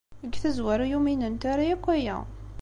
Deg tazwara, ur uminent ara akk aya.